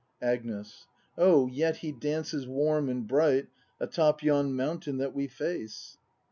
Agnes. Oh, yet he dances warm and bright Atop yon mountain that we face.